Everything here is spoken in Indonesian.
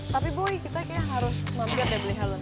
tapi boy kita kayaknya harus mom gat dari beli helen